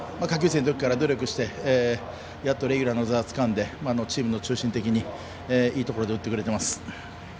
下級生のときから努力してやっとレギュラーの座をつかんでチームの中心的にいいところで打ってくれてます。